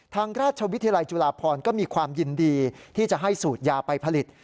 ทางราชวิทยาลัยจุฬาพรก็มีความยินดีที่จะให้สูตรยาไปผลิต